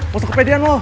masuk kepedian lo